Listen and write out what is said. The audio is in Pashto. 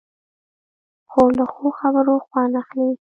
خور له ښو خبرو خوند اخلي.